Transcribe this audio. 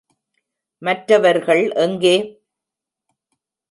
மற்றவர்கள் எங்கே?